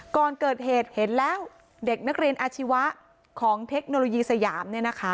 ก่อนเกิดเหตุเห็นแล้วเด็กนักเรียนอาชีวะของเทคโนโลยีสยาม